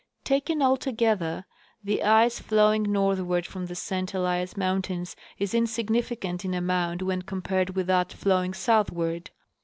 Taken altogether, the ice floMdng northward from the St Elias mountains is insignificant in amount when compared with that flowing southward.